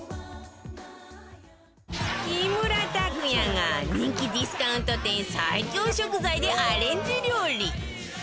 木村拓哉が人気ディスカウント店最強食材でアレンジ料理